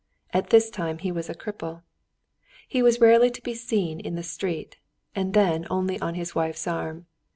At this time he was a cripple. He was rarely to be seen in the street, and then only on his wife's arm.